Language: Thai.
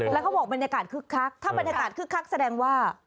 แล้วเขาบอกบรรยากาศคึกคักถ้าบรรยากาศคึกคักแสดงว่า